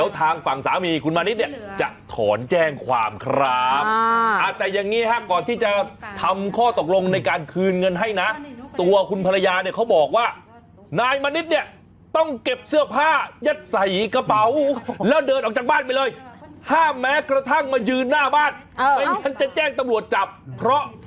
ท่านจะแจ้งตำรวจจับเพราะ